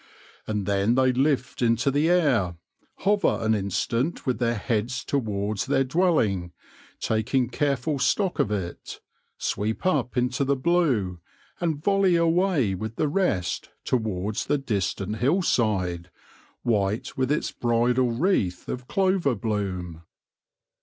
And then they lift into the air, hover an instant with their heads towards their dwelling, taking careful stock of it, sweep up into the blue, and volley away with the rest towards the distant hill side, white with its bridal wreath of clover bloom.